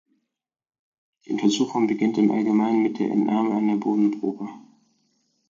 Die Untersuchung beginnt im Allgemeinen mit der Entnahme einer Bodenprobe.